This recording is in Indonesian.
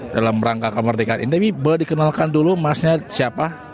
dalam rangka kemerdekaan indonesia boleh dikenalkan dulu masnya siapa